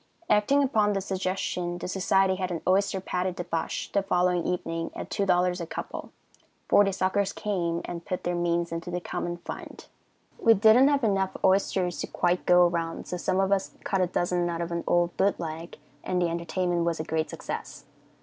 Acting upon this suggestion, the society had an oyster patty debauch the following evening at $2 a couple. Forty suckers came and put their means into the common fund. We didn't have enough oysters to quite go around, so some of us cut a dozen out of an old boot leg, and the entertainment was a great success.